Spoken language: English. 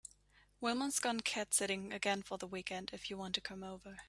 Wilma’s gone cat sitting again for the weekend if you want to come over.